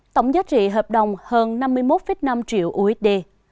tổng giá trị hợp đồng hơn năm mươi một năm triệu usd